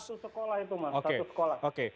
satu sekolah itu mas satu sekolah oke oke